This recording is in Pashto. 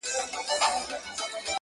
څو بې غیرته قاتلان اوس د قدرت پر ګدۍ!